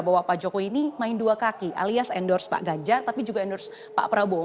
bahwa pak jokowi ini main dua kaki alias endorse pak ganjar tapi juga endorse pak prabowo